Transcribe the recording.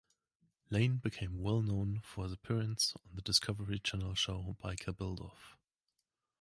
Lane became well known from his appearances on the Discovery Channel show Biker Build-Off.